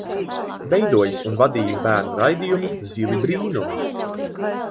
"Veidojis un vadījis bērnu raidījumu "Zili Brīnumi"."